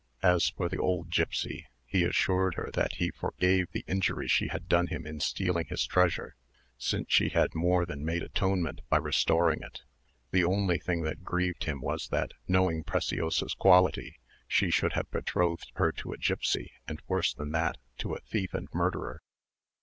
As for the old gipsy, he assured her that he forgave the injury she had done him in stealing his treasure, since she had more than made atonement by restoring it. The only thing that grieved him was that, knowing Preciosa's quality, she should have betrothed her to a gipsy, and worse than that, to a thief and murderer.